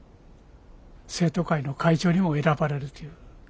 生徒会の会長にも選ばれるという。